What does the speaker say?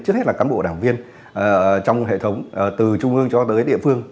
trước hết là cán bộ đảng viên trong hệ thống từ trung ương cho tới địa phương